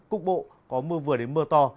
cục bộ có mưa vừa đến mưa to